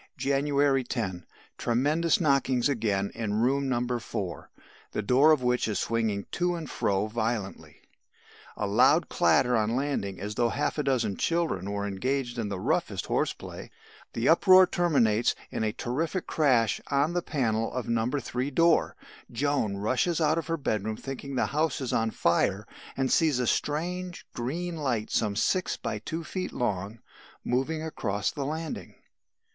"January 10. Tremendous knockings again in room No. 4, the door of which is swinging to and fro violently. A loud clatter on landing as though half a dozen children were engaged in the roughest horse play. The uproar terminates in a terrific crash on the panel of No. 3 door. Joan rushes out of her bedroom thinking the house is on fire and sees a strange, green light some six by two feet long moving across the landing.